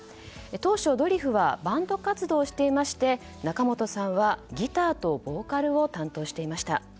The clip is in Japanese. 当初ドリフはバンド活動をしていまして仲本さんはギターとボーカルを担当していました。